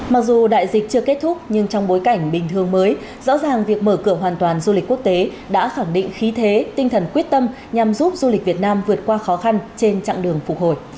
mặc dù đại dịch chưa kết thúc nhưng trong bối cảnh bình thường mới rõ ràng việc mở cửa hoàn toàn du lịch quốc tế đã khẳng định khí thế tinh thần quyết tâm nhằm giúp du lịch việt nam vượt qua khó khăn trên chặng đường phục hồi